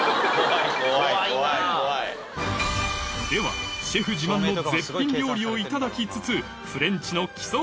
ではシェフ自慢の絶品料理をいただきつつ１１品ほどで構成